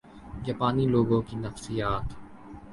جاپانی لوگوں کی نفسیات